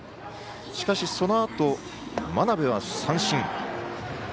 しかし、そのあと真鍋は三振。